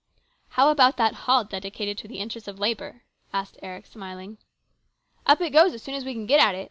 " How about that hall dedicated to the interests of labour ?" asked Eric, smiling. " Up it goes, as soon as we can get at it.